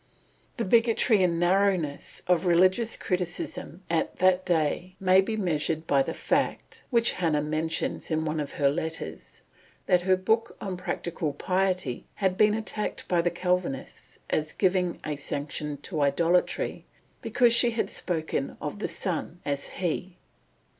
The bigotry and narrowness of religious criticism at that day may be measured by the fact, which Hannah mentions in one of her letters, that her book on Practical Piety had been attacked by the Calvinists as giving a sanction to idolatry, because she had spoken of the sun as "he."